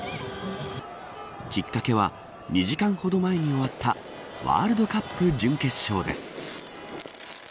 きっかけは２時間ほど前に終わったワールドカップ準決勝です。